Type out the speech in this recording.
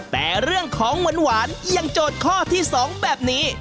แต่เรื่องของหวานยังโจทย์ข้อที่๒แบบนี้